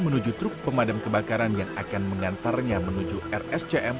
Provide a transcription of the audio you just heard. menuju truk pemadam kebakaran yang akan mengantarnya menuju rscm